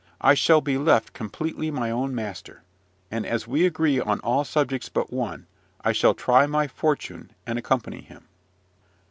I shall be left completely my own master; and, as we agree on all subjects but one, I shall try my fortune, and accompany him.